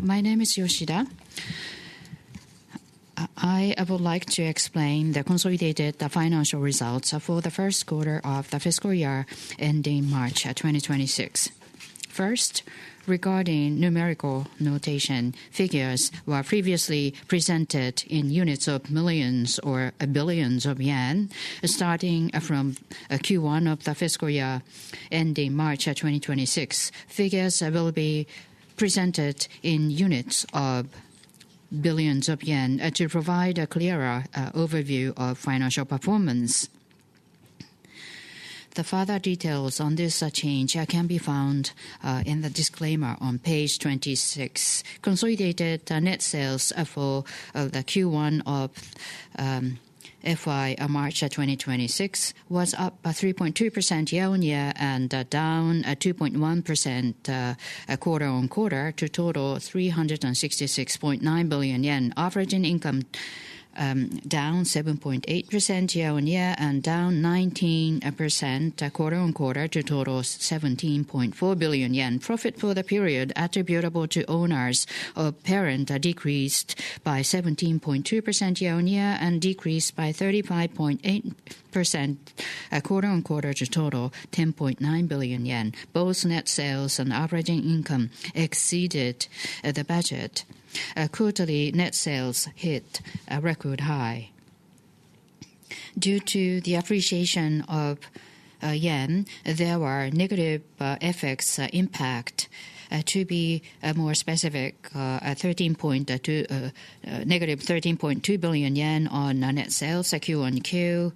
My name is Katsuhiko Yoshida. I would like to explain the consolidated financial results for the first quarter of the fiscal year ending March 2026. First, regarding numerical notation, figures were previously presented in units of millions or billions of yen. Starting from Q1 of the fiscal year ending March 2026, figures will be presented in units of billions of yen to provide a clearer overview of financial performance. The further details on this change can be found in the disclaimer on page 26. Consolidated net sales for Q1 of FY March 2026 was up 3.2% year-on-year and down 2.1% quarter-on-quarter to total JPY 366.9 billion. Operating income down 7.8% year-on-year and down 19% quarter-on-quarter to total 17.4 billion yen. Profit for the period attributable to owners or parent decreased by 17.2% year-on-year and decreased by 35.8% quarter-on-quarter to total 10.9 billion yen. Both net sales and operating income exceeded the budget. Quarterly net sales hit a record high. Due to the appreciation of yen, there were negative effects impact. To be more specific, -13.2 billion yen on net sales quarter-on-quarter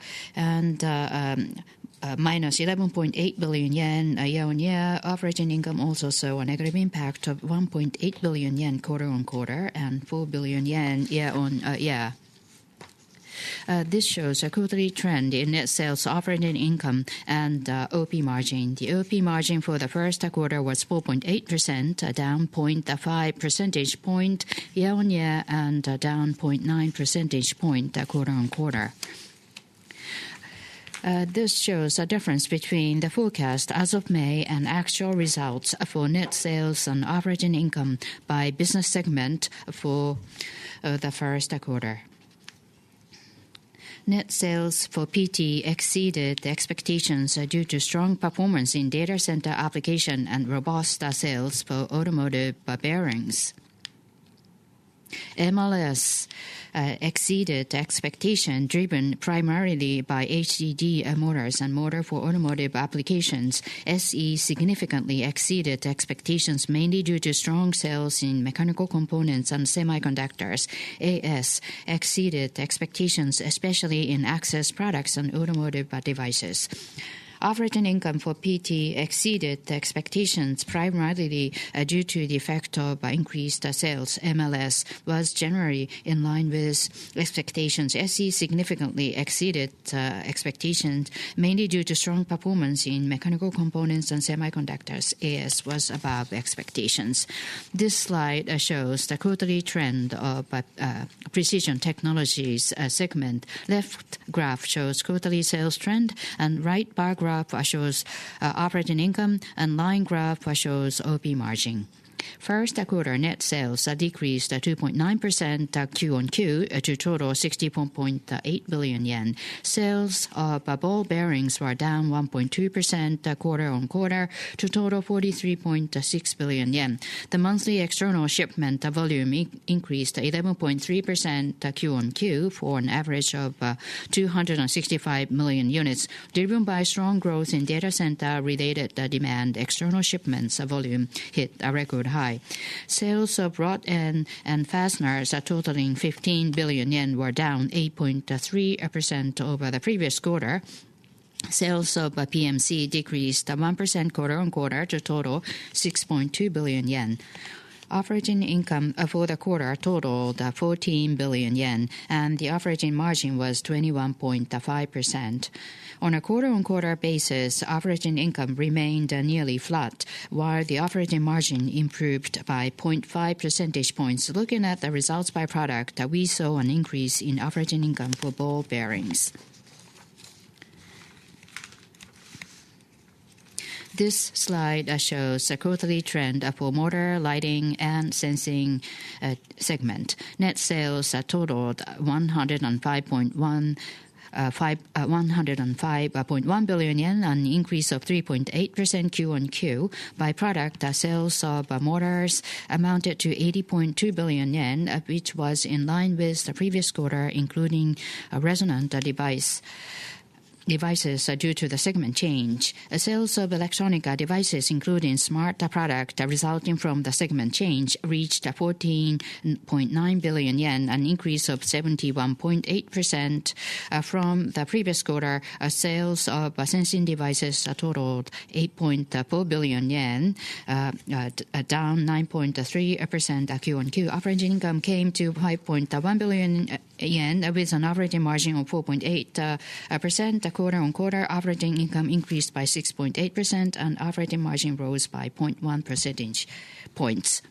and -11.8 billion yen year-on-year. Operating income also saw a negative impact of 1.8 billion yen quarter-on-quarter and 4 billion yen year-on-year. This shows a quarterly trend in net sales, operating income, and OP margin. The OP margin for the first quarter was 4.8%, down 0.5 percentage point year-on-year and down 0.9 percentage point quarter-on-quarter. This shows a difference between the forecast as of May and actual results for net sales and operating income by business segment for the first quarter. Net sales for PT exceeded expectations due to strong performance in data center application and robust sales for automotive bearings. MLS exceeded expectation driven primarily by HDD motors and motor for automotive applications. SE significantly exceeded expectations mainly due to strong sales in mechanical components and semiconductors. AS exceeded expectations especially in access products and automotive devices. Operating income for PT exceeded expectations primarily due to the effect of increased sales. MLS was generally in line with expectations. SE significantly exceeded expectations mainly due to strong performance in mechanical components and semiconductors. AS was above expectations. This slide shows the quarterly trend of Precision Technologies segment. Left graph shows quarterly sales trend and right bar graph shows averaging income and line graph shows OP margin. First quarter net sales decreased 2.9% QoQ to total 64.8 billion yen. Sales of ball bearings were down 1.2% quarter-on-quarter to total 43.6 billion yen. The monthly external shipment volume increased 11.3% QoQ for an average of 265 million units. Driven by strong growth in data center related demand, external shipment volume hit a record high. Sales of rod-ends and fasteners totaling 15 billion yen were down 8.3% over the previous quarter. Sales of electronic devices decreased 1% QoQ to total 6.2 billion yen. Operating income for the quarter totaled 14 billion yen and the operating margin was 21.5%. On a quarter-on-quarter basis, operating income remained nearly flat while the operating margin improved by 0.5 percentage points. Looking at the results by product, we saw an increase in operating income for ball bearings. This slide shows a quarterly trend for the motor, lighting, and sensing segment. Net sales totaled 105.1 billion yen, an increase of 3.8% QoQ. By product, sales of motors amounted to 80.2 billion yen, which was in line with the previous quarter including resonant devices due to the segment change. Sales of electronic devices including smart products resulting from the segment change reached 14.9 billion yen, an increase of 71.8% from the previous quarter. Sales of sensing devices totaled 8.4 billion yen, down 9.3% QoQ. Operating income came to 5.1 billion yen with an operating margin of 4.8% quarter-on-quarter. Operating income increased by 6.8% and operating margin rose by 0.1 percentage points.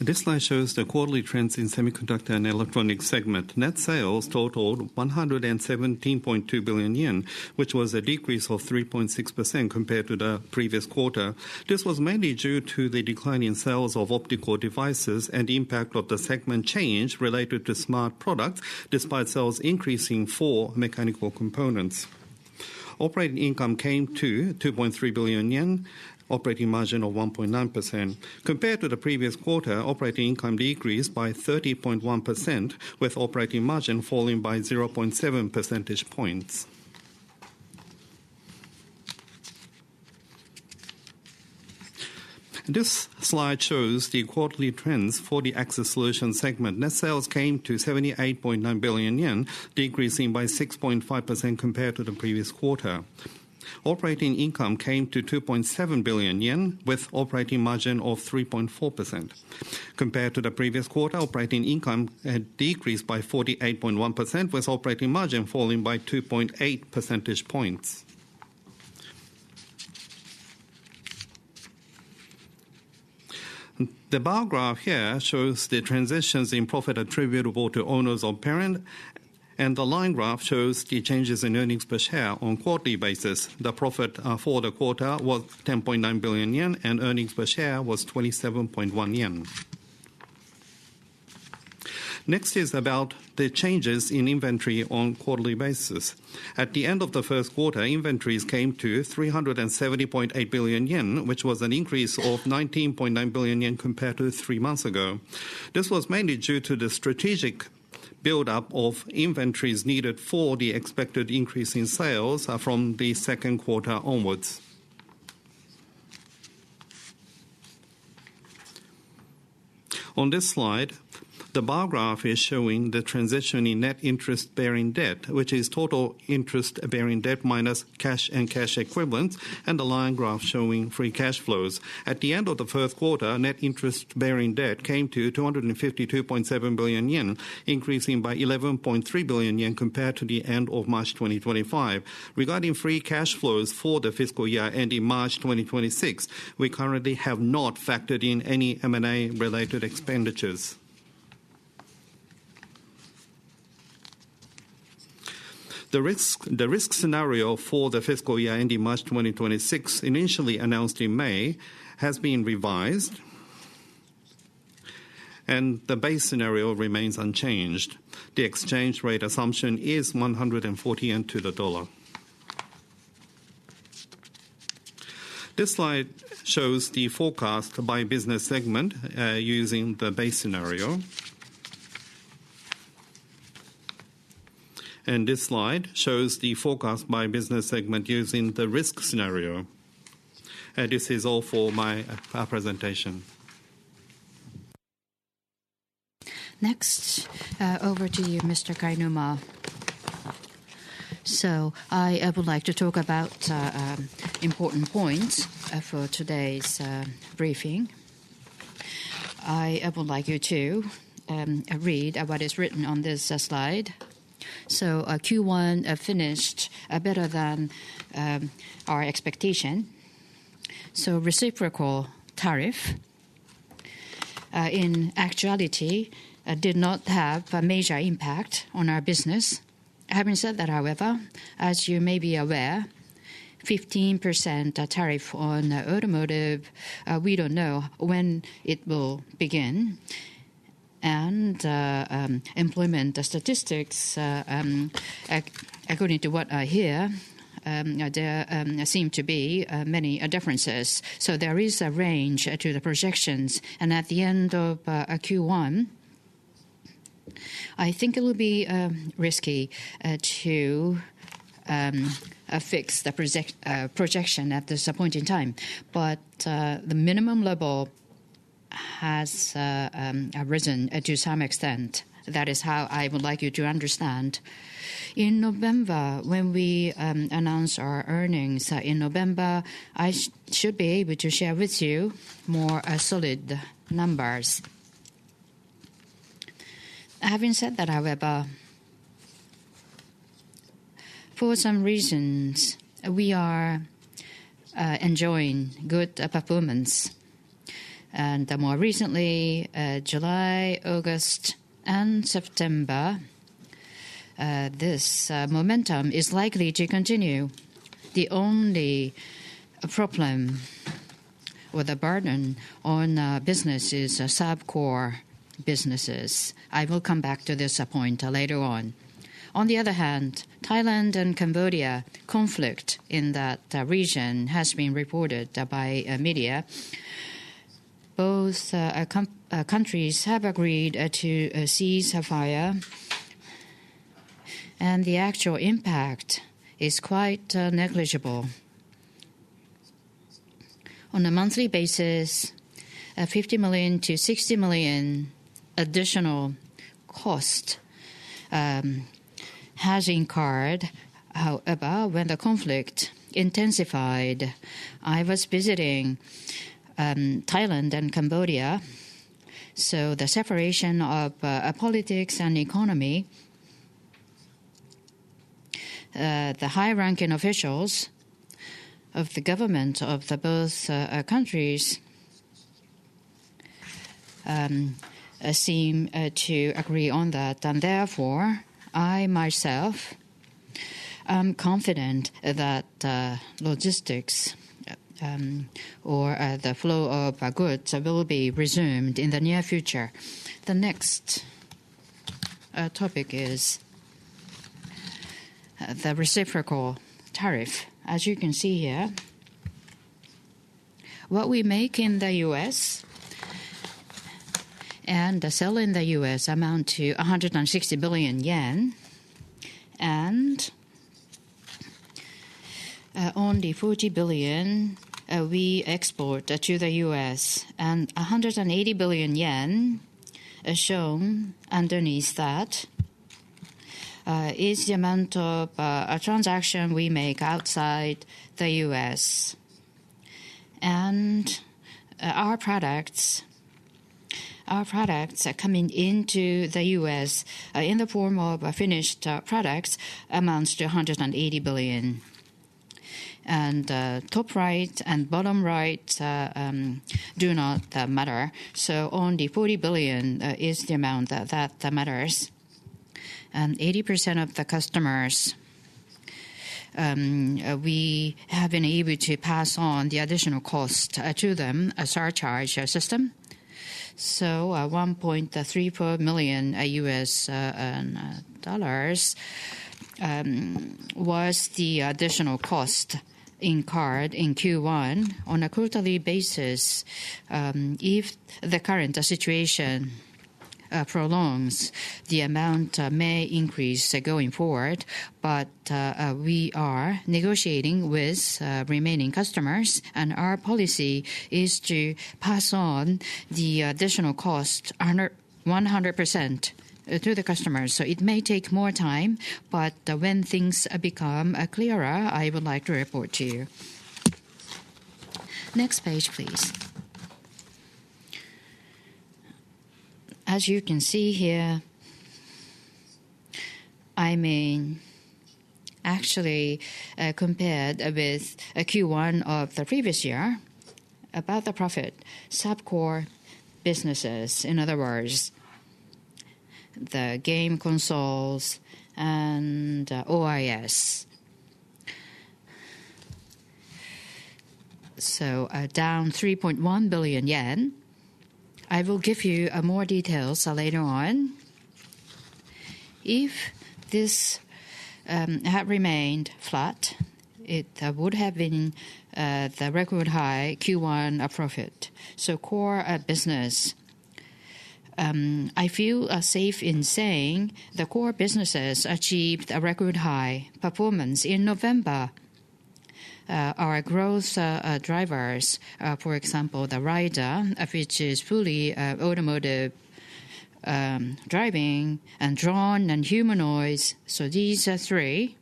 This slide shows the quarterly trends in the semiconductor and electronics segment. Net sales totaled 117.2 billion yen, which was a decrease of 3.6% compared to the previous quarter. This was mainly due to the decline in sales of optical devices and the impact of the segment change related to smart products, despite sales increasing for mechanical components. Operating income came to 2.3 billion yen, operating margin of 1.9%. Compared to the previous quarter, operating income decreased by 30.1% with operating margin falling by 0.7% points. This slide shows the quarterly trends for the access solution segment. Net sales came to 78.9 billion yen, decreasing by 6.5% compared to the previous quarter. Operating income came to 2.7 billion yen with operating margin of 3.4%. Compared to the previous quarter, operating income had decreased by 48.1% with operating margin falling by 2.8% points. The bar graph here shows the transitions in profit attributable to owners or parent, and the line graph shows the changes in earnings per share on a quarterly basis. The profit for the quarter was 10.9 billion yen and earnings per share was 27.1 yen. Next is about the changes in inventory on a quarterly basis. At the end of the first quarter, inventories came to 370.8 billion yen, which was an increase of 19.9 billion yen compared to three months ago. This was mainly due to the strategic buildup of inventories needed for the expected increase in sales from the second quarter onwards. On this slide, the bar graph is showing the transition in net interest-bearing debt, which is total interest-bearing debt minus cash and cash equivalents, and the line graph showing free cash flows. At the end of the first quarter, net interest-bearing debt came to 252.7 billion yen, increasing by 11.3 billion yen compared to the end of March 2025. Regarding free cash flows for the fiscal year ending March 2026, we currently have not factored in any M&A-related expenditures. The risk scenario for the fiscal year ending March 2026, initially announced in May, has been revised, and the base scenario remains unchanged. The exchange rate assumption is 140 yen to the dollar. This slide shows the forecast by business segment using the base scenario. This slide shows the forecast by business segment using the risk scenario. This is all for my presentation. Next, over to you, Mr. Kainuma. I would like to talk about important points for today's briefing. I would like you to read what is written on this slide. Q1 finished better than our expectation. Reciprocal tariff, in actuality, did not have a major impact on our business. Having said that, however, as you may be aware, 15% tariff on automotive, we don't know when it will begin. Employment statistics, according to what I hear, there seem to be many differences. There is a range to the projections. At the end of Q1, I think it will be risky to fix the projection at this point in time. The minimum level has risen to some extent. That is how I would like you to understand. In November, when we announced our earnings in November, I should be able to share with you more solid numbers. Having said that, however, for some reasons, we are enjoying good performance. More recently, July, August, and September, this momentum is likely to continue. The only problem or the burden on businesses are subcore businesses. I will come back to this point later on. On the other hand, Thailand and Cambodia conflict in that region has been reported by media. Both countries have agreed to cease fire, and the actual impact is quite negligible. On a monthly basis, 50 million-60 million additional cost has incurred. However, when the conflict intensified, I was visiting Thailand and Cambodia. The separation of politics and economy, the high-ranking officials of the government of both countries seem to agree on that. Therefore, I myself am confident that logistics or the flow of goods will be resumed in the near future. The next topic is the reciprocal tariff. As you can see here, what we make in the U.S. and sell in the U.S. amount to 160 billion yen. Only 40 billion we export to the U.S. 180 billion yen shown underneath that is the amount of a transaction we make outside the U.S. Our products coming into the U.S. in the form of finished products amounts to 180 billion. The top right and bottom right do not matter. Only 40 billion is the amount that matters. 80% of the customers we have been able to pass on the additional cost to them, a surcharge system. $1.34 million was the additional cost incurred in Q1. On a quarterly basis, if the current situation prolongs, the amount may increase going forward. We are negotiating with remaining customers, and our policy is to pass on the additional cost 100% to the customers. It may take more time, but when things become clearer, I would like to report to you. Next page, please. As you can see here, actually compared with Q1 of the previous year, about the profit, subcore businesses, in other words, the game consoles and OIS. Down 3.1 billion yen. I will give you more details later on. If this had remained flat, it would have been the record high Q1 profit. Core business, I feel safe in saying the core businesses achieved a record high performance in November. Our growth drivers, for example, the LiDAR, which is fully automotive driving and drone and humanoid. These three,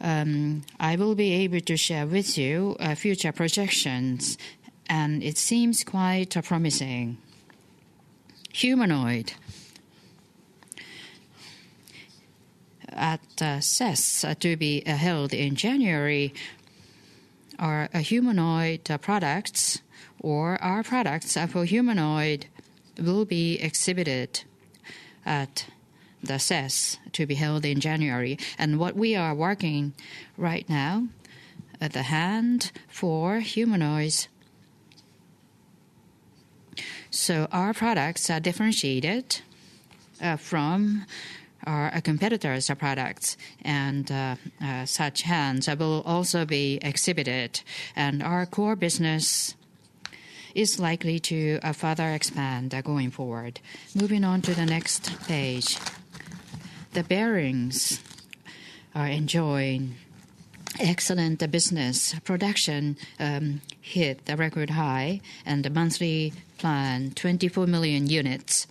I will be able to share with you future projections, and it seems quite promising. Humanoid at CES to be held in January, our humanoid products, or our products for humanoid will be exhibited at the CES to be held in January. What we are working right now, the hand for humanoids. Our products are differentiated from our competitors' products, and such hands will also be exhibited. Our core business is likely to further expand going forward. Moving on to the next page, the bearings are enjoying excellent business. Production hit the record high, and the monthly plan, 24 million units,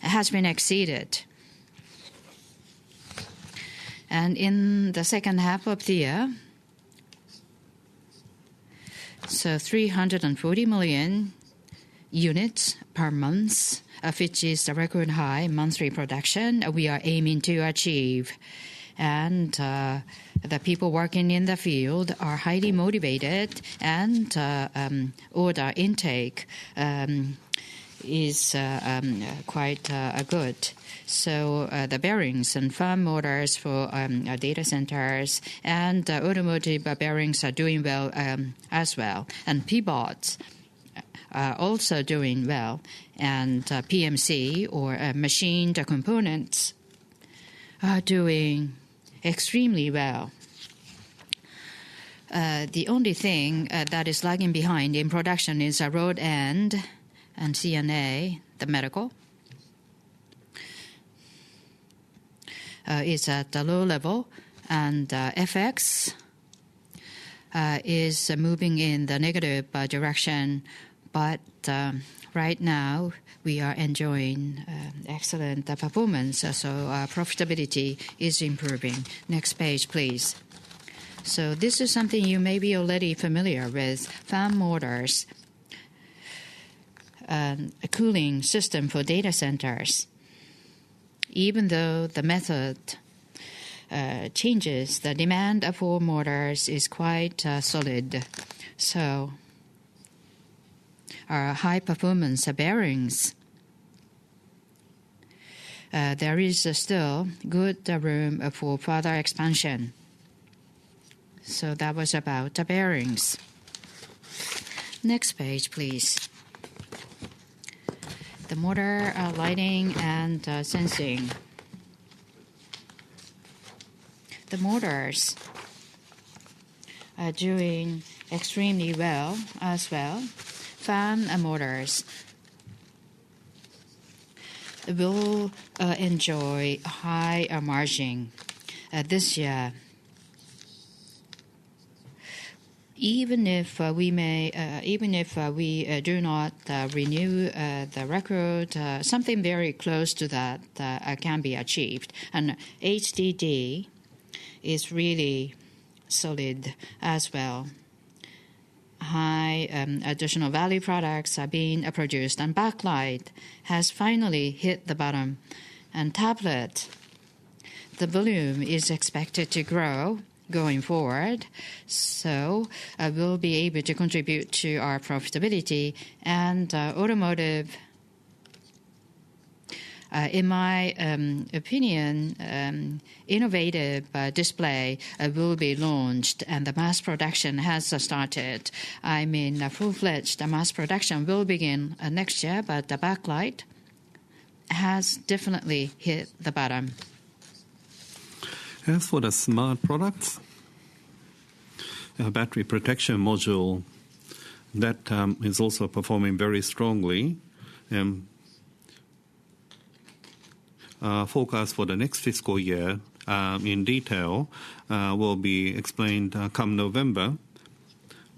has been exceeded. In the second half of the year, 340 million units per month, which is the record high monthly production we are aiming to achieve. The people working in the field are highly motivated, and order intake is quite good. The bearings and firm orders for data centers and automotive bearings are doing well as well. Pivots are also doing well. PMC, or machined components, are doing extremely well. The only thing that is lagging behind in production is a rod-end and CNA, the medical, is at the low level. FX is moving in the negative direction, but right now, we are enjoying excellent performance. Profitability is improving. Next page, please. This is something you may be already familiar with, fan motors, a cooling system for data centers. Even though the method changes, the demand for motors is quite solid. Our high-performance bearings, there is still good room for further expansion. That was about the bearings. Next page, please. The motor, lighting, and sensing. The motors are doing extremely well as well. Fan motors will enjoy a high margin this year. Even if we do not renew the record, something very close to that can be achieved. HDD is really solid as well. High additional value products are being produced. Backlight has finally hit the bottom. Tablet, the volume is expected to grow going forward. We will be able to contribute to our profitability. Automotive, in my opinion, innovative display will be launched and the mass production has started. I mean, full-fledged mass production will begin next year, but the backlight has definitely hit the bottom. For the smart products, a battery protection module that is also performing very strongly. Focus for the next fiscal year in detail will be explained come November.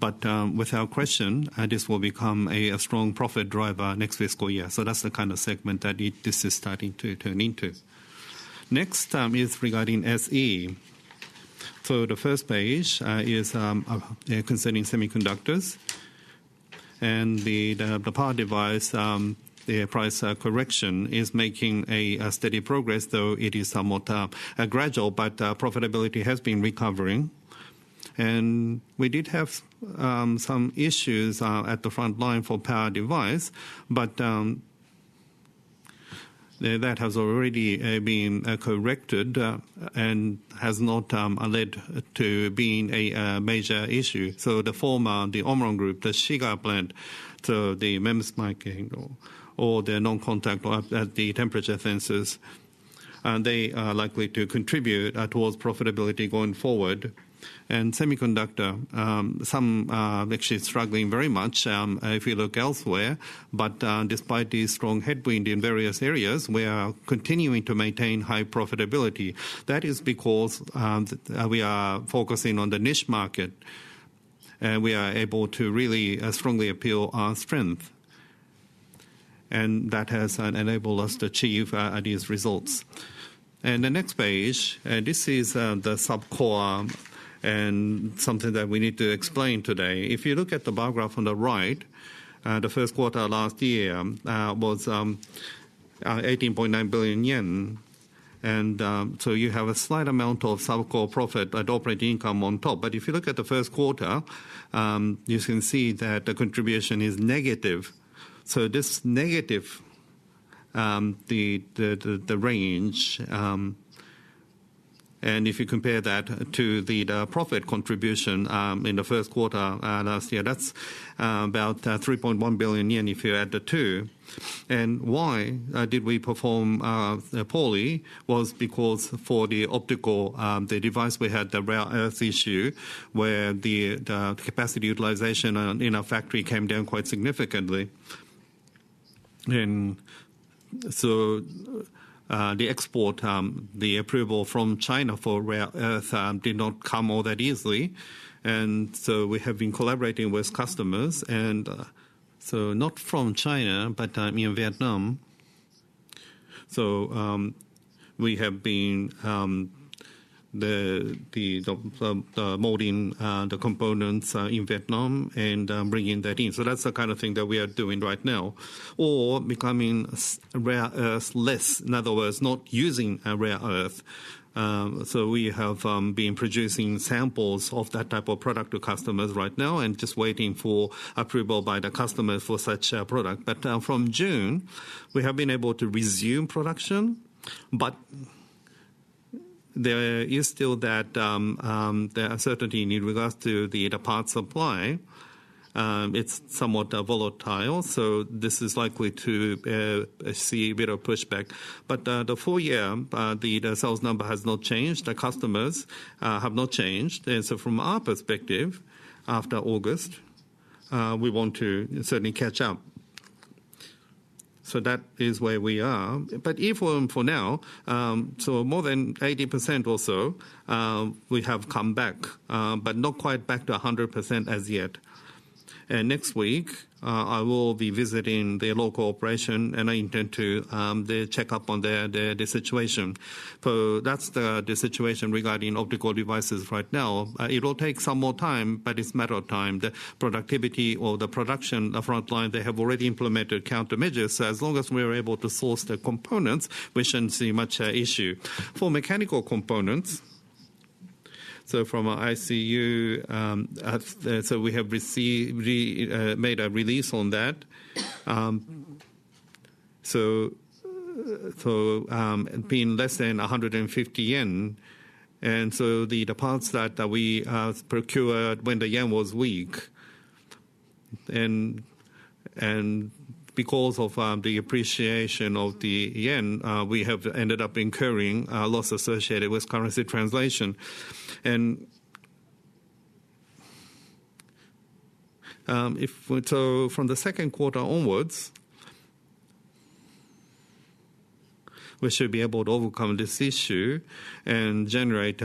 Without question, this will become a strong profit driver next fiscal year. That's the kind of segment that this is starting to turn into. Next is regarding SE. The first page is concerning semiconductors. The power device, the price correction is making steady progress, though it is somewhat gradual, but profitability has been recovering. We did have some issues at the front line for power device, but that has already been corrected and has not led to being a major issue. The former, the OMRON group, the Shiga plant, the MEMS [microphones] or the non-contact, the temperature sensors, they are likely to contribute towards profitability going forward. Semiconductor, some actually struggling very much if you look elsewhere. Despite the strong headwind in various areas, we are continuing to maintain high profitability. That is because we are focusing on the niche market. We are able to really strongly appeal our strength. That has enabled us to achieve these results. The next page, this is the subcore and something that we need to explain today. If you look at the bar graph on the right, the first quarter last year was 18.9 billion yen. You have a slight amount of subcore profit at operating income on top. If you look at the first quarter, you can see that the contribution is negative. This negative, the range, and if you compare that to the profit contribution in the first quarter last year, that's about 3.1 billion yen if you add the two. Why did we perform poorly was because for the optical device, we had the rare earth issue where the capacity utilization in our factory came down quite significantly. The export, the approval from China for rare earth did not come all that easily. We have been collaborating with customers, and not from China, but in Vietnam. We have been molding the components in Vietnam and bringing that in. That's the kind of thing that we are doing right now. Becoming rare earthless, in other words, not using a rare earth. We have been producing samples of that type of product to customers right now and just waiting for approval by the customers for such a product. From June, we have been able to resume production. There is still that uncertainty in regards to the parts supply. It's somewhat volatile. This is likely to see a bit of pushback. The full year, the sales number has not changed. The customers have not changed. From our perspective, after August, we want to certainly catch up. That is where we are. Even for now, more than 80% or so, we have come back, but not quite back to 100% as yet. Next week, I will be visiting the local operation, and I intend to check up on their situation. That's the situation regarding optical devices right now. It will take some more time, but it's a matter of time. The productivity or the production front line, they have already implemented countermeasures. As long as we are able to source the components, we shouldn't see much issue. For mechanical components, from ICU, we have made a release on that. It's been less than 150 yen. The parts that we procured when the yen was weak, and because of the appreciation of the yen, we have ended up incurring loss associated with currency translation. From the second quarter onwards, we should be able to overcome this issue and generate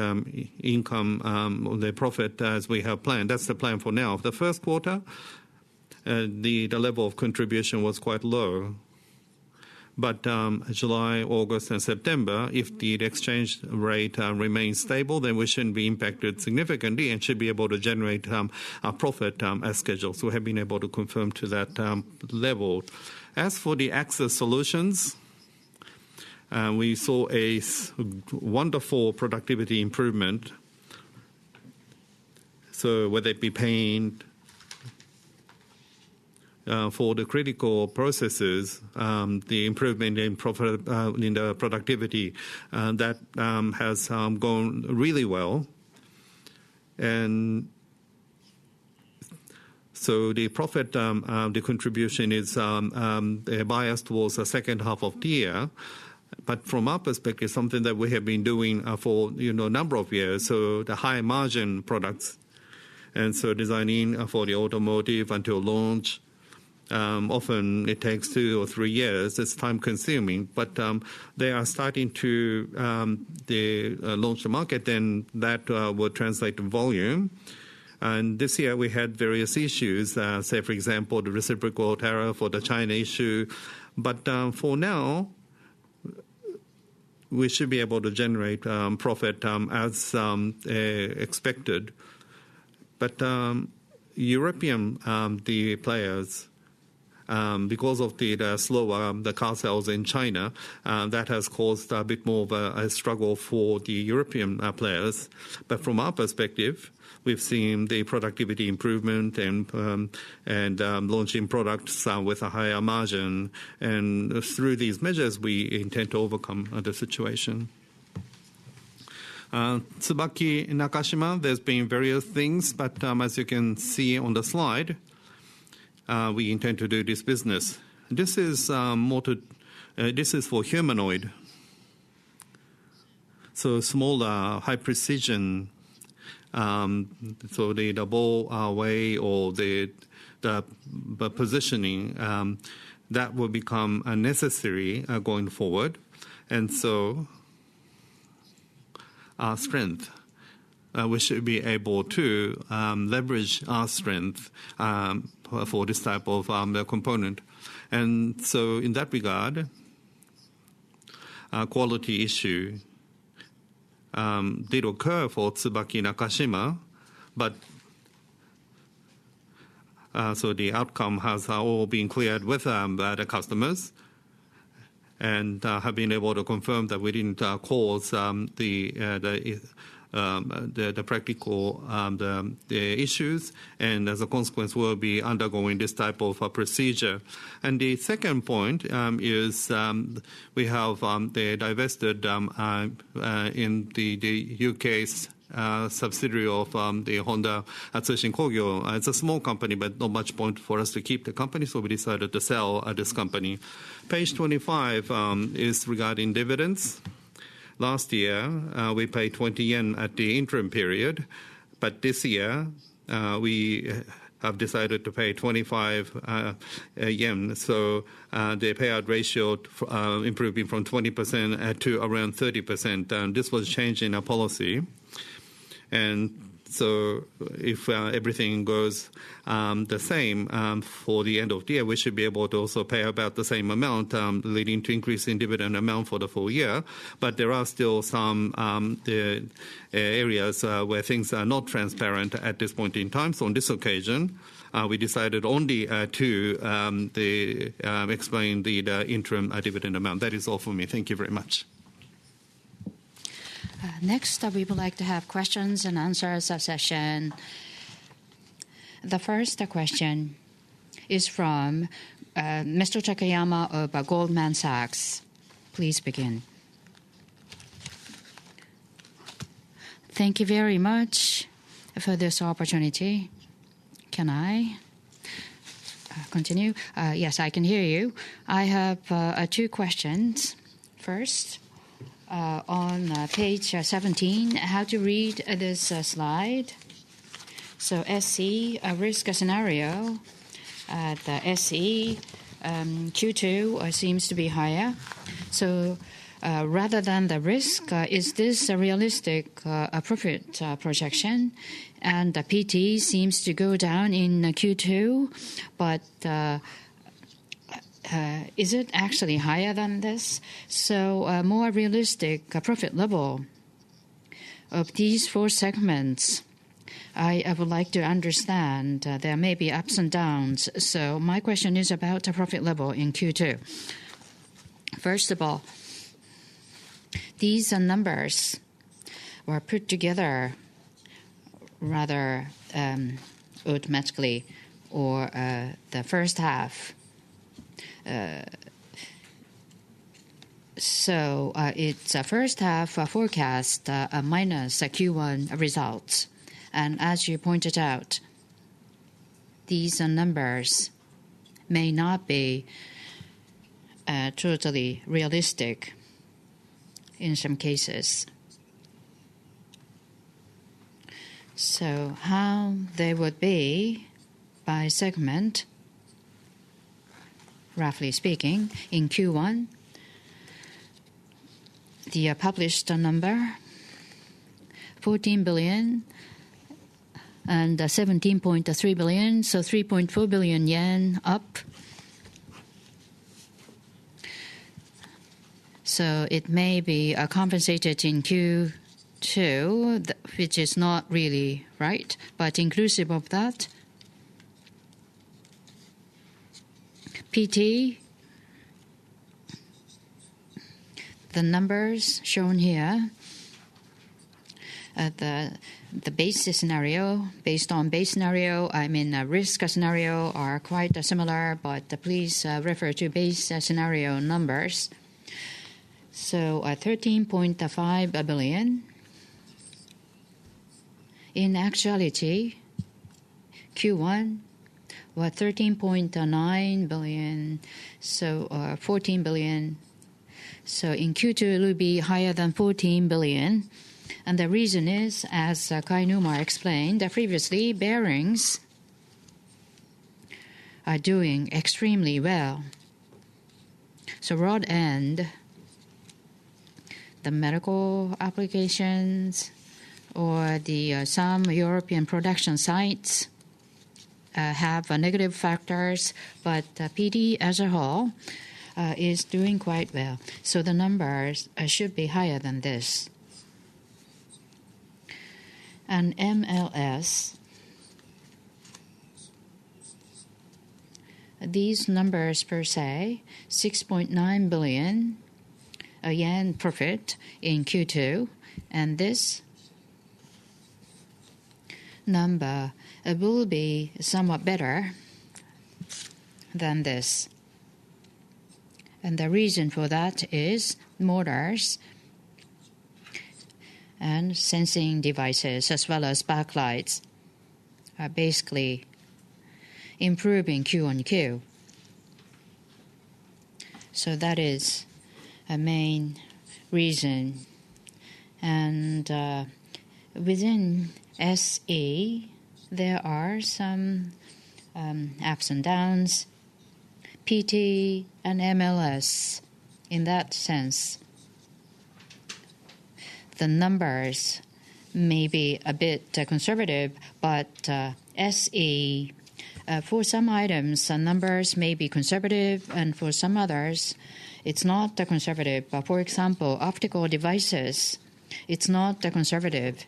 income on the profit as we have planned. That's the plan for now. The first quarter, the level of contribution was quite low. July, August, and September, if the exchange rate remains stable, then we shouldn't be impacted significantly and should be able to generate a profit as scheduled. We have been able to confirm to that level. As for the Access Solutions, we saw a wonderful productivity improvement. Whether it be paint for the critical processes, the improvement in the productivity, that has gone really well. The profit, the contribution is biased towards the second half of the year. From our perspective, something that we have been doing for a number of years, the high margin products. Designing for the automotive until launch, often it takes two or three years. It's time-consuming. They are starting to launch the market, then that will translate to volume. This year, we had various issues. For example, the reciprocal tariff for the China issue. For now, we should be able to generate profit as expected. European players, because of the slower car sales in China, that has caused a bit more of a struggle for the European players. From our perspective, we've seen the productivity improvement and launching products with a higher margin. Through these measures, we intend to overcome the Tsubaki Nakashima, there's been various things, but as you can see on the slide, we intend to do this business. This is for humanoid. Smaller, high precision, so the double way or the positioning, that will become necessary going forward. Our strength, we should be able to leverage our strength for this type of component. In that regard, a quality issue did occur for Tsubaki Nakashima, but the outcome has all been cleared with the customers and have been able to confirm that we didn't cause the practical issues. As a consequence, we'll be undergoing this type of procedure. The second point is we have divested in the U.K. subsidiary of the Honda Tsushin Kogyo. It's a small company, but not much point for us to keep the company, so we decided to sell this company. Page 25 is regarding dividends. Last year, we paid 20 yen at the interim period, but this year, we have decided to pay 25 yen. The payout ratio improved from 20% to around 30%. This was changed in our policy. If everything goes the same for the end of the year, we should be able to also pay about the same amount, leading to increasing dividend amount for the full year. There are still some areas where things are not transparent at this point in time. On this occasion, we decided only to explain the interim dividend amount. That is all for me. Thank you very much. Next, we would like to have the questions and answers session. The first question is from Mr. Takayama of Goldman Sachs. Please begin. Thank you very much for this opportunity. Can I continue? Yes, I can hear you. I have two questions. First, on page 17, how to read this slide. So SE risk scenario, the SE, Q2 seems to be higher. Rather than the risk, is this a realistic profit projection? The PT seems to go down in Q2, but is it actually higher than this? A more realistic profit level of these four segments, I would like to understand. There may be ups and downs. My question is about the profit level in Q2. First of all, these numbers were put together rather automatically for the first half. It's a first half forecast minus Q1 results. As you pointed out, these numbers may not be totally realistic in some cases. How they would be by segment, roughly speaking, in Q1, the published number, 14 billion and 17.3 billion, so 3.4 billion yen up. It may be compensated in Q2, which is not really right. Inclusive of that, PT, the numbers shown here, the base scenario, based on base scenario, I mean, risk scenario are quite similar, but please refer to base scenario numbers. So 13.5 billion. In actuality, Q1 was 13.9 billion, so 14 billion. In Q2, it will be higher than 14 billion. The reason is, as Kainuma explained, that previously bearings are doing extremely well. Road end, the medical applications, or some European production sites have negative factors, but PT as a whole is doing quite well. The numbers should be higher than this. MLS, these numbers per se, 6.9 billion yen profit in Q2. This number will be somewhat better than this. The reason for that is motors and sensing devices as well as backlights are basically improving QoQ. That is a main reason. Within SE, there are some ups and downs. PT and MLS in that sense, the numbers may be a bit conservative, but SE, for some items, the numbers may be conservative, and for some others, it's not conservative. For example, optical devices, it's not conservative.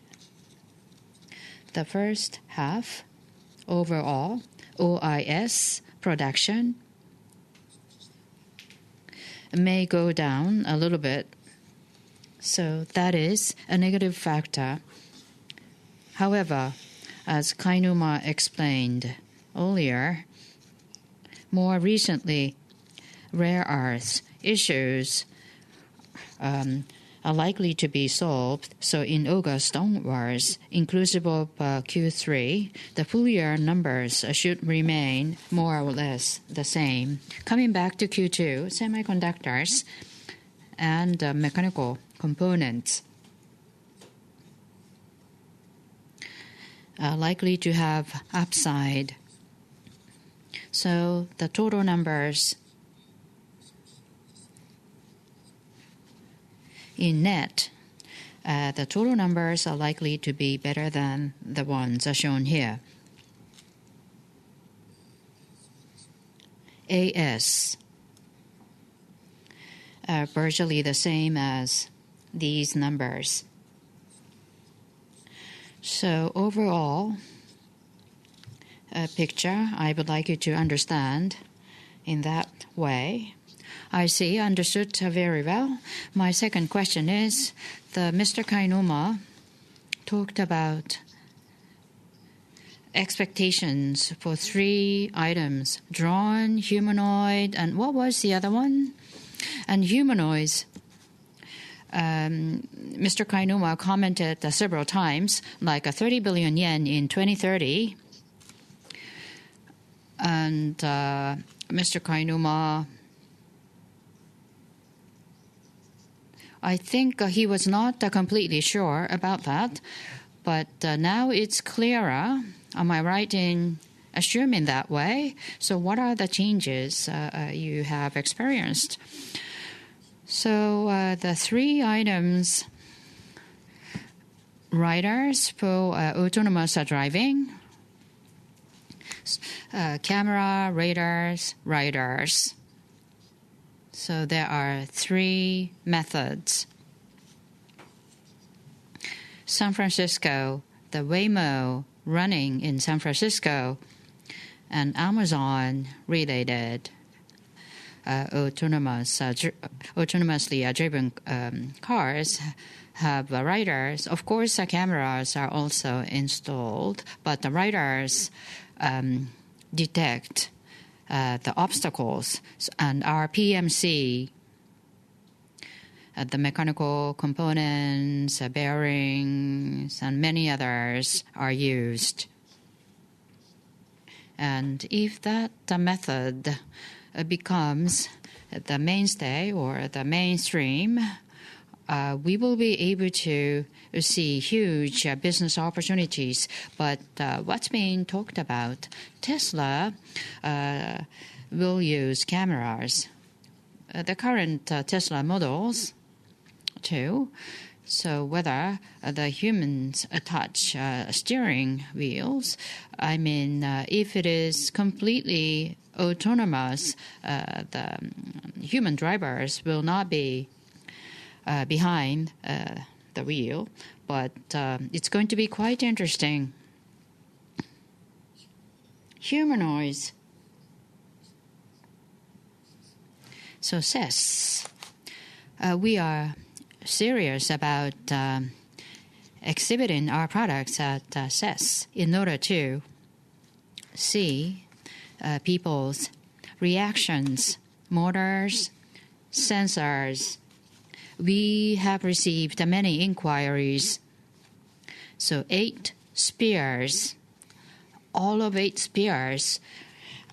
The first half overall, OIS production, may go down a little bit. That is a negative factor. However, as Kainuma explained earlier, more recently, rare earth issues are likely to be solved. In August onwards, inclusive of Q3, the full year numbers should remain more or less the same. Coming back to Q2, semiconductors and mechanical components are likely to have upside. The total numbers in net, the total numbers are likely to be better than the ones shown here. AS are virtually the same as these numbers. Overall picture, I would like you to understand in that way. I see, understood very well. My second question is, Mr. Kainuma talked about expectations for three items: drawn, humanoid, and what was the other one? Humanoids, Mr. Kainuma commented several times, like 30 billion yen in 2030. Mr. Kainuma, I think he was not completely sure about that, but now it's clearer. Am I right in assuming that way? What are the changes you have experienced? The three items: LiDARs for autonomous driving, camera, radars, LiDARs. There are three methods: San Francisco, the Waymo running in San Francisco, and Amazon-related autonomously driven cars have LiDARs. Of course, the cameras are also installed, but the LiDARs detect the obstacles. Our PMC, the mechanical components, bearings, and many others are used. If that method becomes the mainstay or the mainstream, we will be able to see huge business opportunities. What's being talked about is Tesla will use cameras, the current Tesla models, too. Whether the humans touch steering wheels, I mean, if it is completely autonomous, the human drivers will not be behind the wheel. It's going to be quite interesting. Humanoids. CES, we are serious about exhibiting our products at CES in order to see people's reactions, motors, sensors. We have received many inquiries. Eight Spears, all of Eight Spears.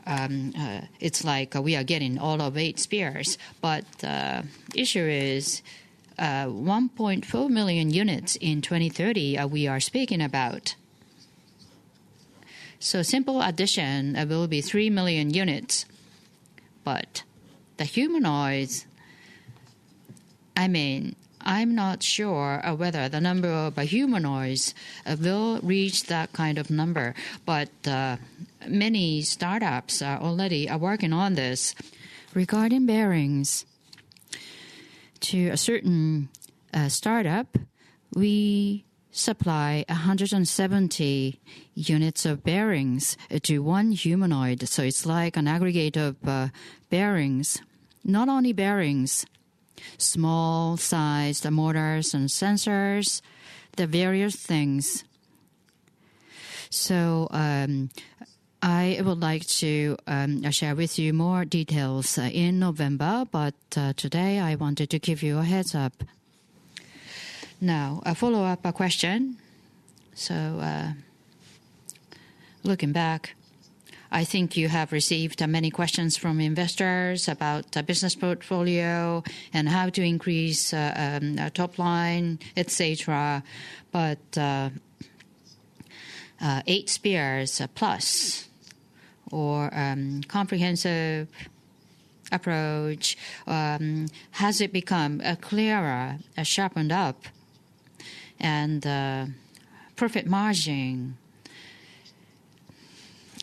It's like we are getting all of Eight Spears. The issue is 1.4 million units in 2030 we are speaking about. Simple addition will be 3 million units. The humanoids, I mean, I'm not sure whether the number of humanoids will reach that kind of number. Many startups already are working on this. Regarding bearings, to a certain startup, we supply 170 units of bearings to one humanoid. It's like an aggregate of bearings, not only bearings, small-sized motors and sensors, the various things. I would like to share with you more details in November. Today, I wanted to give you a heads up. A follow-up question. Looking back, I think you have received many questions from investors about the business portfolio and how to increase top line, etc. Eight Spears plus or comprehensive approach, has it become clearer, sharpened up? Profit margin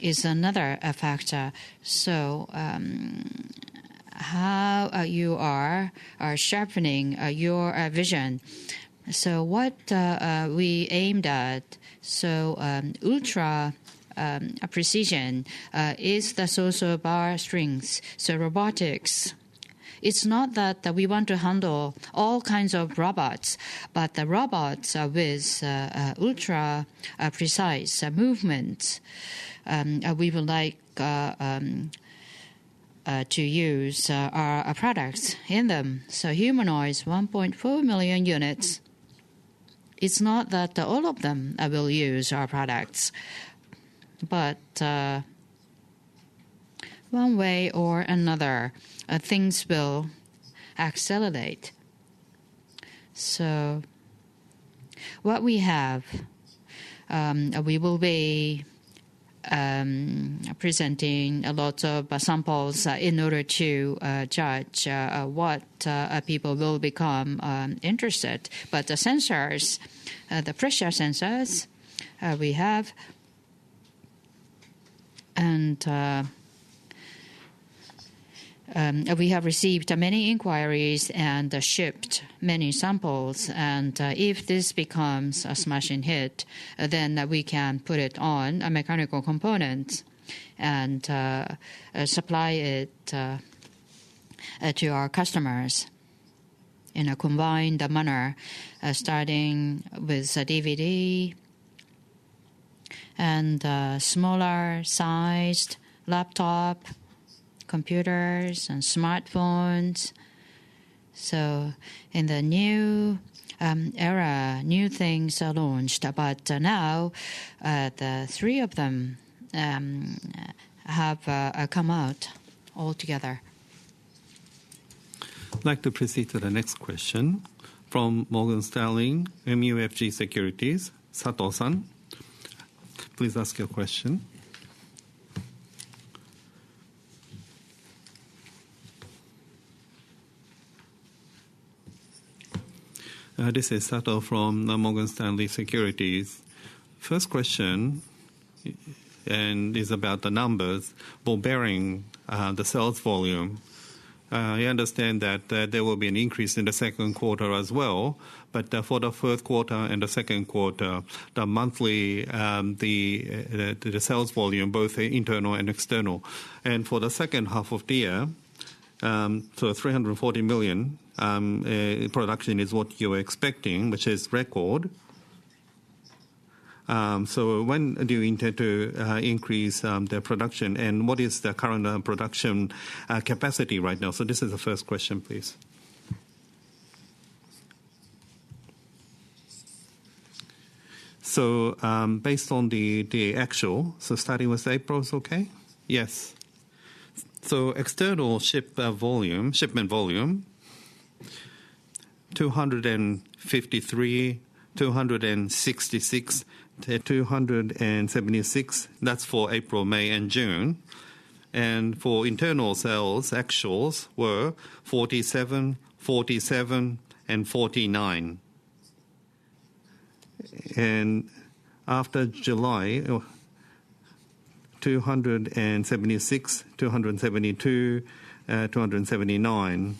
is another factor. How you are sharpening your vision? What we aimed at, ultra precision is the social bar strings. Robotics, it's not that we want to handle all kinds of robots, but the robots with ultra precise movements, we would like to use our products in them. Humanoids, 1.4 million units. It's not that all of them will use our products. One way or another, things will accelerate. What we have, we will be presenting lots of samples in order to judge what people will become interested in. The sensors, the pressure sensors we have, and we have received many inquiries and shipped many samples. If this becomes a smashing hit, then we can put it on a mechanical component and supply it to our customers in a combined manner, starting with a DVD and smaller-sized laptop computers and smartphones. In the new era, new things are launched. Now, the three of them have come out altogether. We'd like to proceed to the next question from Morgan Stanley MUFG Securities, Sato-san. Please ask your question. This is Sato from Morgan Stanley MUFG Securities. First question, and it's about the numbers for bearing the sales volume. I understand that there will be an increase in the second quarter as well. For the first quarter and the second quarter, the monthly sales volume, both internal and external. For the second half of the year, 340 million production is what you're expecting, which is record. When do you intend to increase the production? What is the current production capacity right now? This is the first question, please. Based on the actual, starting with April, is it okay? Yes. External shipment volume: 253, 266, 276. That's for April, May, and June. For internal sales, actuals were 47, 47, and 49. After July, 276, 272, 279.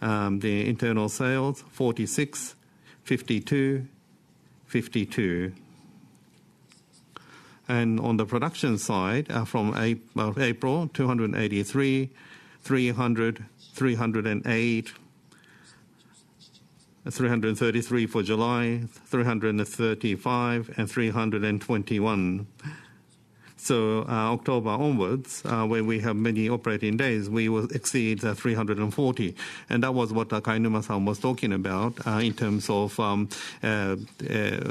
The internal sales: 46, 52, 52. On the production side, from April: 283, 300, 308, 333 for July, 335, and 321. October onwards, when we have many operating days, we will exceed 340. That was what Kainuma-san was talking about in terms of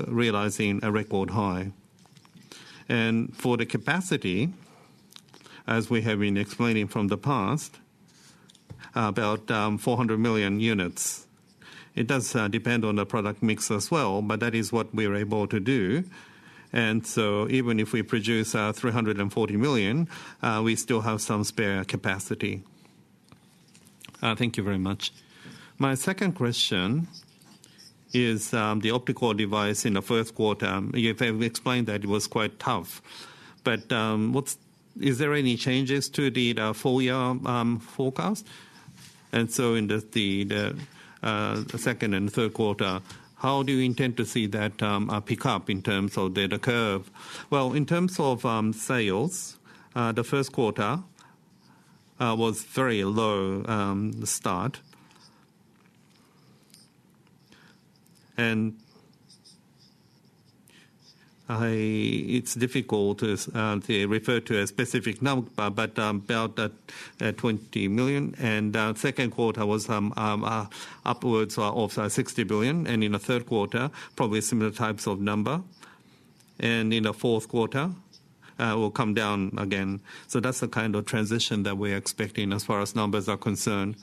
realizing a record high. For the capacity, as we have been explaining from the past, about 400 million units. It does depend on the product mix as well, but that is what we're able to do. Even if we produce 340 million, we still have some spare capacity. Thank you very much. My second question is the optical device in the first quarter. You've explained that it was quite tough. Is there any changes to the full-year forecast? In the second and third quarter, how do you intend to see that pick up in terms of the curve? In terms of sales, the first quarter was a very low start. It's difficult to refer to a specific number, but about 20 million. The second quarter was upwards of 60 billion. In the third quarter, probably similar types of number. In the fourth quarter, it will come down again. That's the kind of transition that we're expecting as far as numbers are concerned.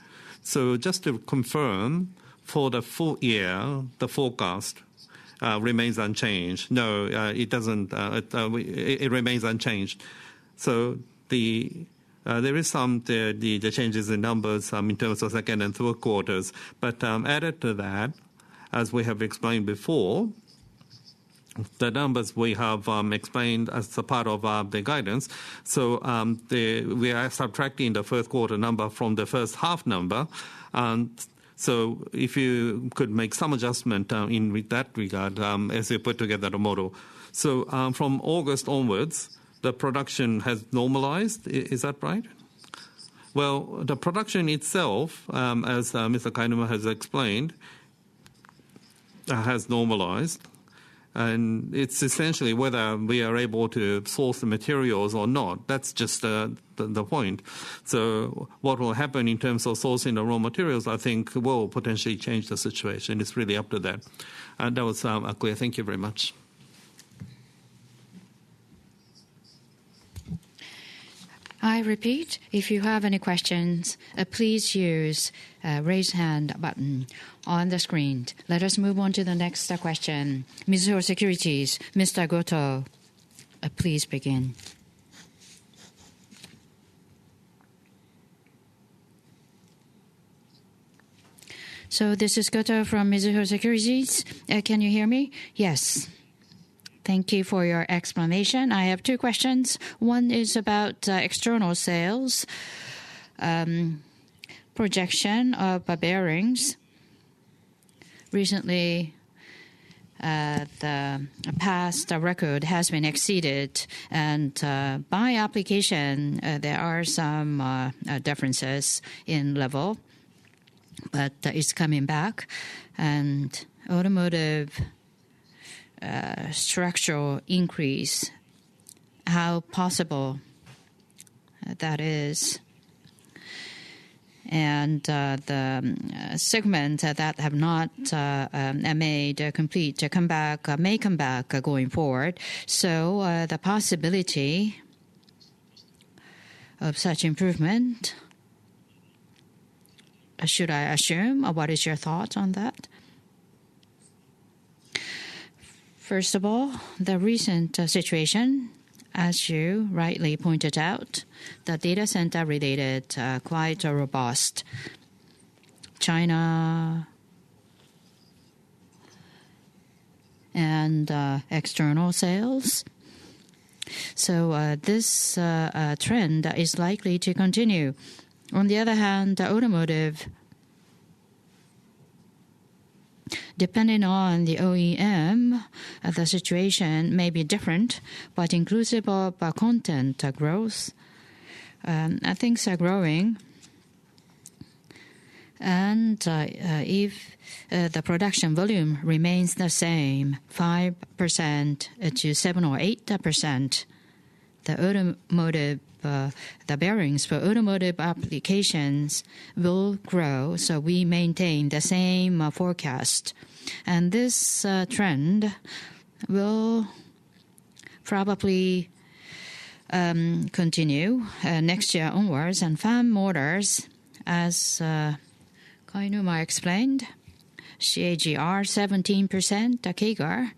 Just to confirm, for the full year, the forecast remains unchanged. No, it doesn't. It remains unchanged. There are some changes in numbers in terms of second and third quarters. Added to that, as we have explained before, the numbers we have explained as a part of the guidance. We are subtracting the first quarter number from the first half number. If you could make some adjustment in that regard as you put together the model. From August onwards, the production has normalized. Is that right? The production itself, as Mr. Kainuma has explained, has normalized. It's essentially whether we are able to source the materials or not. That's just the point. What will happen in terms of sourcing the raw materials, I think, will potentially change the situation. It's really up to them. That was clear. Thank you very much. I repeat, if you have any questions, please use the raise hand button on the screen. Let us move on to the next question. Mizuho Securities, Mr. Goto, please begin. This is Goto from Mizuho Securities. Can you hear me? Yes. Thank you for your explanation. I have two questions. One is about the external sales projection of bearings. Recently, the past record has been exceeded. By application, there are some differences in level, but it's coming back. Automotive structural increase, how possible that is? The segments that have not made complete may come back going forward. The possibility of such improvement, should I assume, or what is your thought on that? First of all, the recent situation, as you rightly pointed out, the data center related quite robust China and external sales. This trend is likely to continue. On the other hand, the automotive, depending on the OEM, the situation may be different, but inclusive of content growth, things are growing. If the production volume remains the same, 5% to 7% or 8%, the bearings for automotive applications will grow. We maintain the same forecast. This trend will probably continue next year onwards. Fan motors, as Kainuma explained, CAGR 17%, CAGR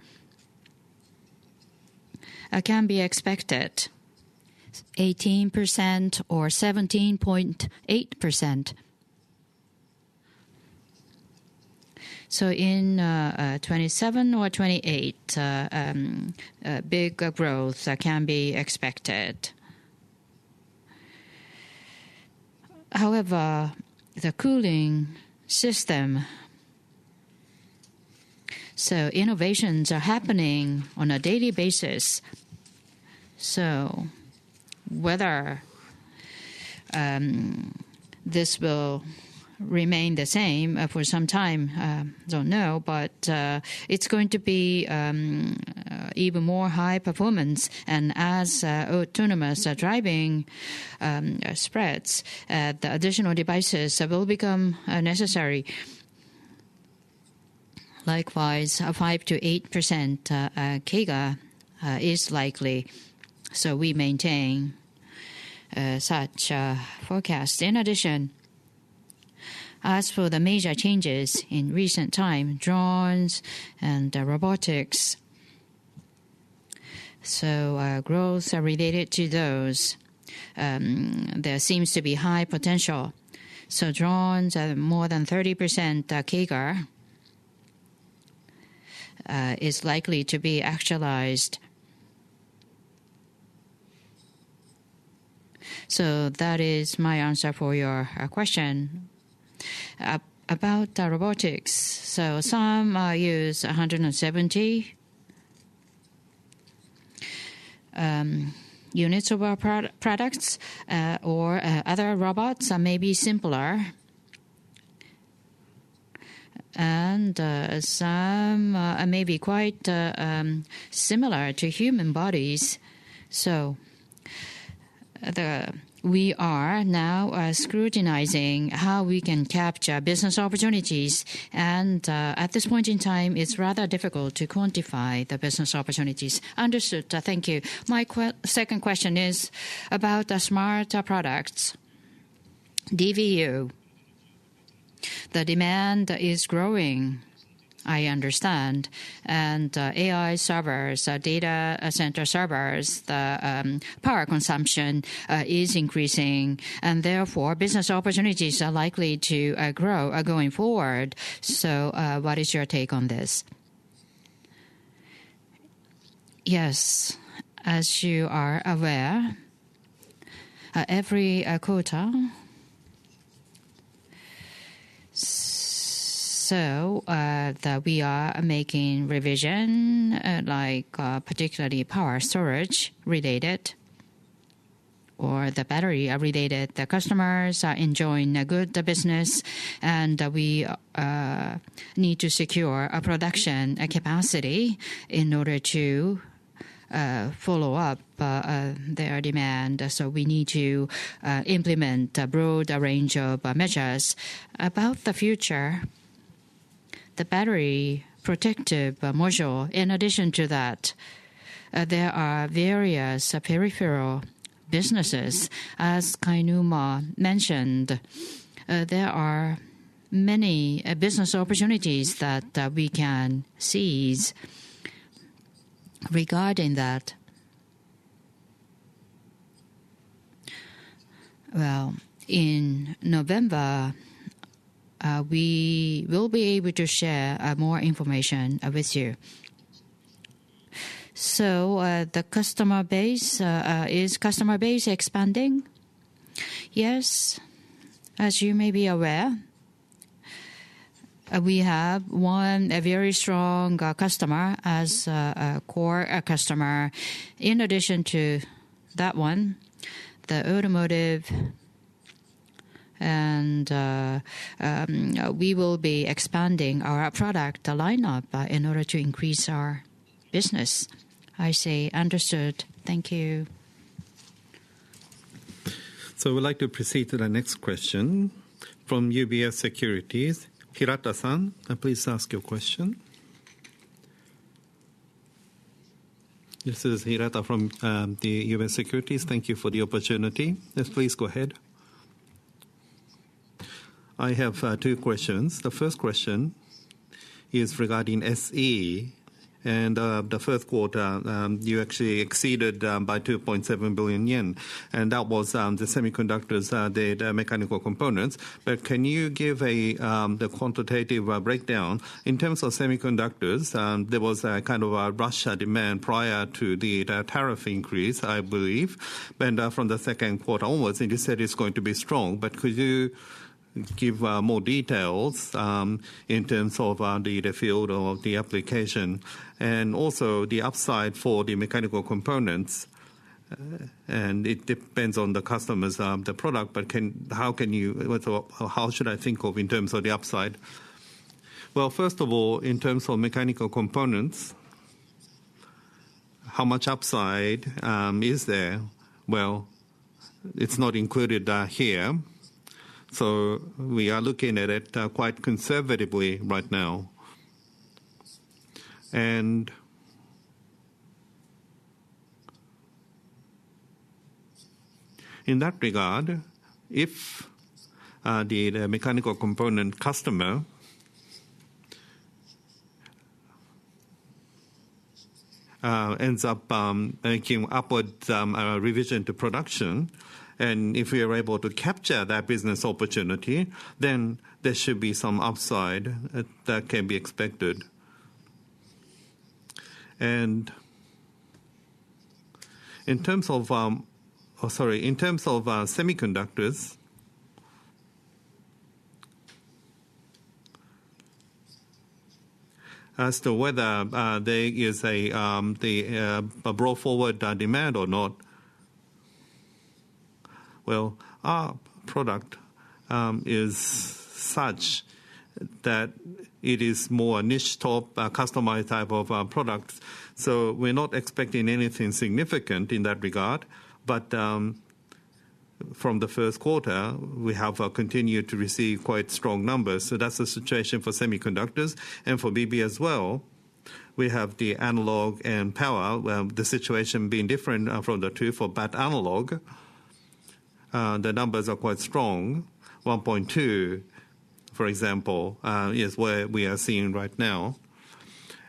can be expected 18% or 17.8%. In 2027 or 2028, big growth can be expected. However, the cooling system, innovations are happening on a daily basis. Whether this will remain the same for some time, I don't know. It's going to be even more high performance. As autonomous driving spreads, the additional devices will become necessary. Likewise, 5%-8% CAGR is likely. We maintain such forecasts. In addition, as for the major changes in recent times, drones and robotics, growths are related to those. There seems to be high potential. Drones are more than 30% CAGR is likely to be actualized. That is my answer for your question about robotics. Some use 170 units of our products or other robots that may be simpler. Some may be quite similar to human bodies. We are now scrutinizing how we can capture business opportunities. At this point in time, it's rather difficult to quantify the business opportunities. Understood. Thank you. My second question is about the smart products, DVU. The demand is growing, I understand. AI servers, data center servers, the power consumption is increasing. Therefore, business opportunities are likely to grow going forward. What is your take on this? Yes. As you are aware, every quarter, we are making revision, like particularly power storage related or the battery related. The customers are enjoying good business. We need to secure a production capacity in order to follow up their demand. We need to implement a broad range of measures about the future. The battery protective module, in addition to that, there are various peripheral businesses. As Kainuma mentioned, there are many business opportunities that we can seize regarding that. In November, we will be able to share more information with you. The customer base is expanding. Yes. As you may be aware, we have one very strong customer as a core customer. In addition to that one, the automotive, and we will be expanding our product lineup in order to increase our business. I say understood. Thank you. We'd like to proceed to the next question from UBS Securities. Hirata-san, please ask your question. This is Hirata from UBS Securities. Thank you for the opportunity. Yes, please go ahead. I have two questions. The first question is regarding SE. In the first quarter, you actually exceeded by 2.7 billion yen. That was the semiconductors, the mechanical components. Can you give the quantitative breakdown? In terms of semiconductors, there was a kind of rush demand prior to the tariff increase, I believe. From the second quarter onwards, you said it's going to be strong. Could you give more details in terms of the field of the application and also the upside for the mechanical components? It depends on the customers' product. How should I think of the upside? In terms of mechanical components, how much upside is there? It's not included here. We are looking at it quite conservatively right now. In that regard, if the mechanical component customer ends up making upward revision to production, and if we are able to capture that business opportunity, there should be some upside that can be expected. In terms of semiconductors, as to whether there is a brought-forward demand or not, our product is such that it is more a niche top customized type of product. We're not expecting anything significant in that regard. From the first quarter, we have continued to receive quite strong numbers. That's the situation for semiconductors. For [BB] as well, we have the analog and power. The situation being different from the two for bat analog, the numbers are quite strong. 1.2, for example, is where we are seeing right now.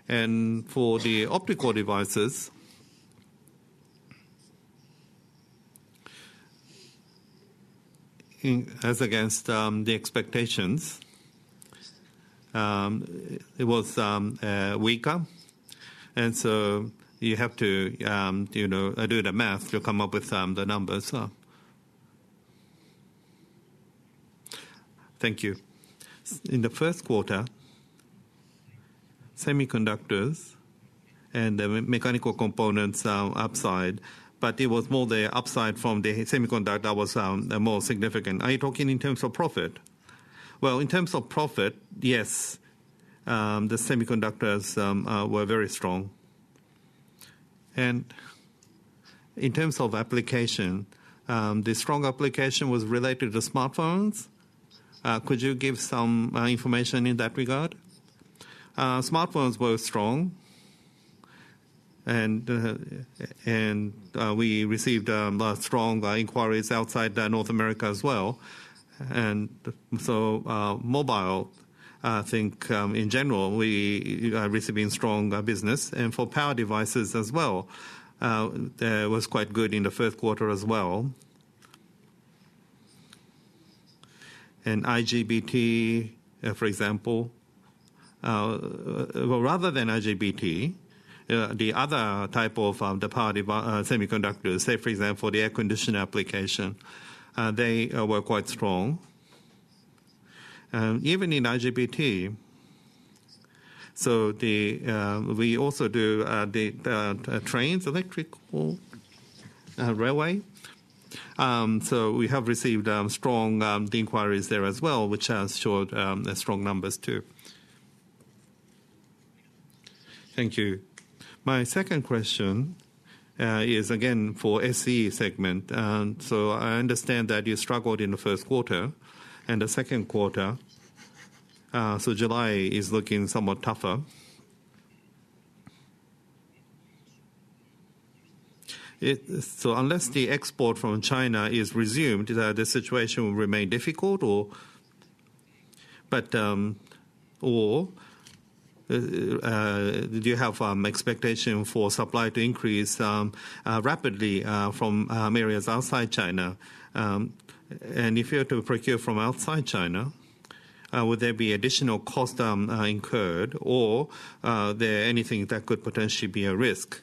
For the optical devices, as against the expectations, it was weaker. You have to do the math to come up with the numbers. Thank you. In the first quarter, semiconductors and the mechanical components upside, it was more the upside from the semiconductor that was more significant. Are you talking in terms of profit? In terms of profit, yes, the semiconductors were very strong. In terms of application, the strong application was related to smartphones. Could you give some information in that regard? Smartphones were strong. We received strong inquiries outside North America as well. Mobile, I think, in general, we are receiving strong business. For power devices as well, it was quite good in the first quarter as well. IGBT, for example, rather than IGBT, the other type of the power semiconductors, say, for example, the air conditioner application, they were quite strong. Even in IGBT, we also do the trains, electrical, railway. We have received strong inquiries there as well, which has showed strong numbers too. Thank you. My second question is, again, for SE segment. I understand that you struggled in the first quarter. The second quarter, July is looking somewhat tougher. Unless the export from China is resumed, the situation will remain difficult. Do you have expectations for supply to increase rapidly from areas outside China? If you are to procure from outside China, would there be additional costs incurred? Is there anything that could potentially be a risk?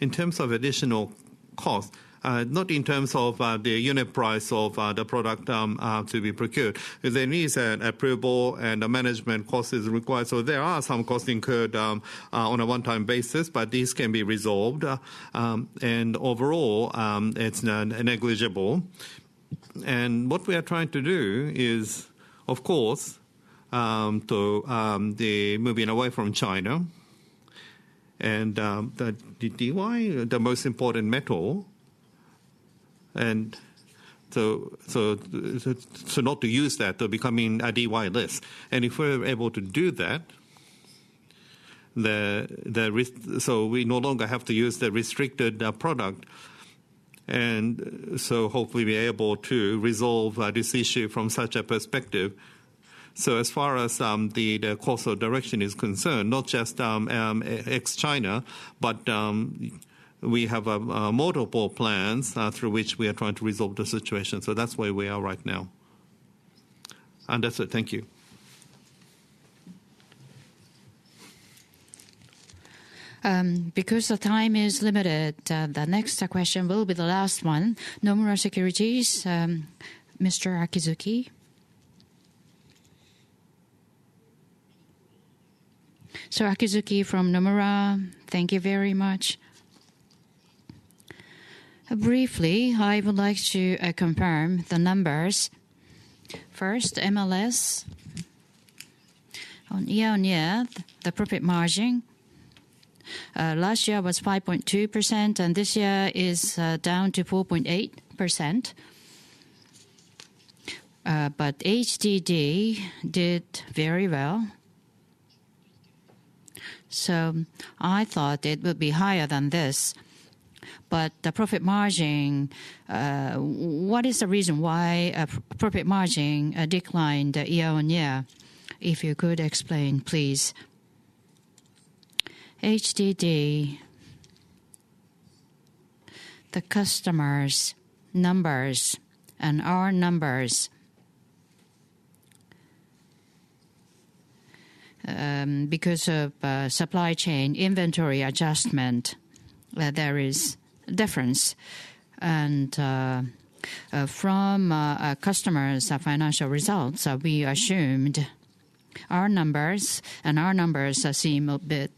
In terms of additional costs, not in terms of the unit price of the product to be procured. There needs an approval and management cost is required. There are some costs incurred on a one-time basis, but these can be resolved. Overall, it's negligible. What we are trying to do is, of course, to be moving away from China. The [DY], the most important metal, and not to use that, to becoming a [DY] list. If we're able to do that, we no longer have to use the restricted product. Hopefully, we're able to resolve this issue from such a perspective. As far as the course of direction is concerned, not just ex-China, we have multiple plans through which we are trying to resolve the situation. That's where we are right now. Understood. Thank you. Because the time is limited, the next question will be the last one. Nomura Securities, Mr. Akizuki. Akizuki from Nomura, thank you very much. Briefly, I would like to confirm the numbers. First, MLS. Year on year, the profit margin last year was 5.2%, and this year is down to 4.8%. HDD did very well. I thought it would be higher than this. The profit margin, what is the reason why profit margin declined year on year? If you could explain, please. HDD, the customers' numbers and our numbers because of supply chain inventory adjustment, there is a difference. From customers' consolidated financial results, we assumed our numbers, and our numbers seem a bit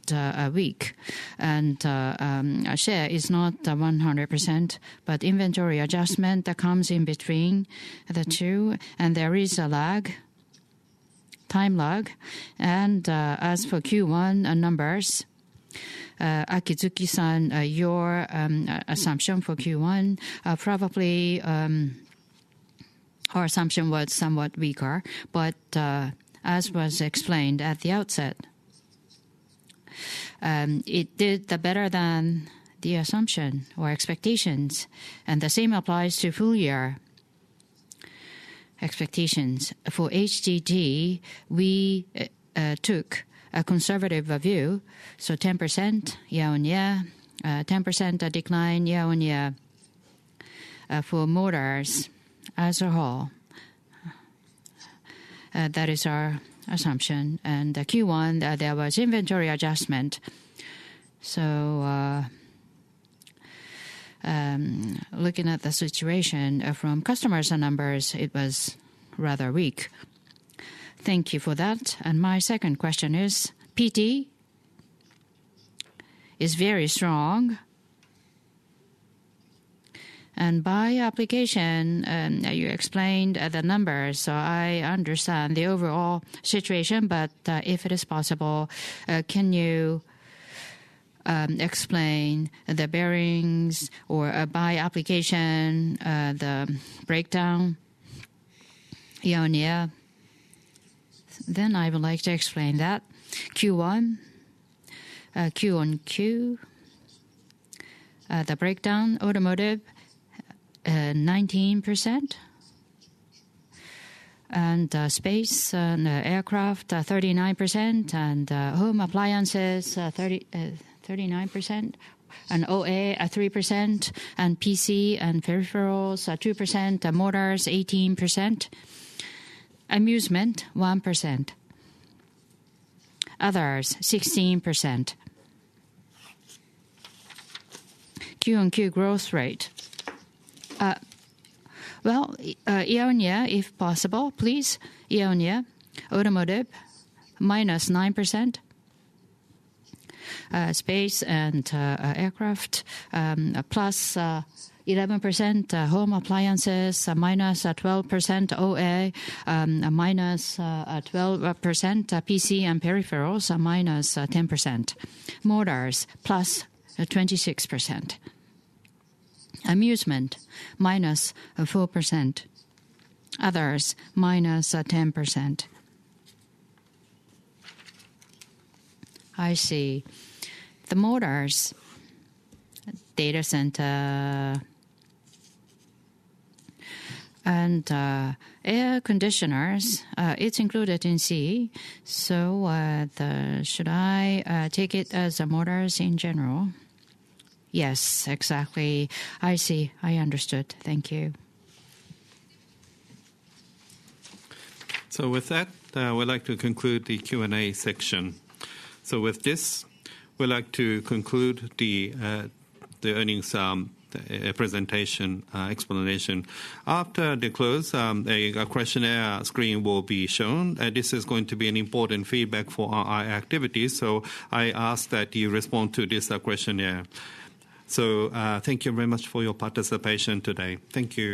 weak. Our share is not 100%, but inventory adjustment that comes in between the two, and there is a lag, time lag. As for Q1 numbers, Akizuki-san, your assumption for Q1, probably our assumption was somewhat weaker. As was explained at the outset, it did better than the assumption or expectations. The same applies to full-year expectations. For HDD, we took a conservative view. 10% year on year, 10% decline year on year for motors as a whole. That That is our assumption. The [Q1], there was inventory adjustment. Looking at the situation from customers and numbers, it was rather weak. Thank you for that. My second question is, PT is very strong. By application, you explained the numbers, so I understand the overall situation, but if it is possible, can you explain the bearings or by application, the breakdown? I would like to explain that. Q1, QoQ, the breakdown: Automotive, 19%. Space and aircraft, 39%. Home appliances, 39%. OA, 3%. PC and peripherals, 2%. Motors, 18%. Amusement, 1%. Others, 16%. QoQ, [growth rate]. Well, year on year, if possible, please. Automotive, -9%. Space and aircraft, +11%. Home appliances, -12%. OA, -12%. PC and peripherals, -10%. Motors, +26%. Amusement, -4%. Others, -10%. I see. The motors, data center, and air conditioners, it's included in [CE]. Should I take it as the motors in general? Yes, exactly. I see. I understood. Thank you. We'd like to conclude the Q&A section. With this, we'd like to conclude the earnings presentation explanation. After the close, a questionnaire screen will be shown. This is going to be an important feedback for our activities, so I ask that you respond to this questionnaire. Thank you very much for your participation today. Thank you.